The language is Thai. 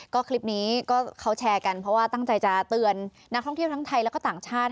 ก็คลิปนี้ก็เขาแชร์กันเพราะว่าตั้งใจจะเตือนนักท่องเที่ยวทั้งไทยแล้วก็ต่างชาติ